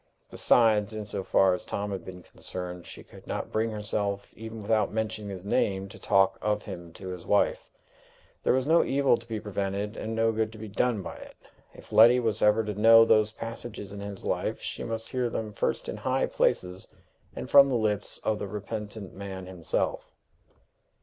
Besides, in so far as Tom had been concerned, she could not bring herself, even without mentioning his name, to talk of him to his wife: there was no evil to be prevented and no good to be done by it. If Letty was ever to know those passages in his life, she must hear them first in high places, and from the lips of the repentant man himself!